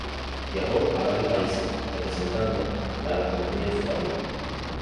Viajó a varios países, representando la gastronomía de su país.